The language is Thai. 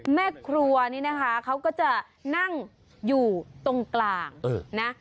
แม่ครัวนี่นะคะเขาก็จะนั่งอยู่ตรงกลางนะ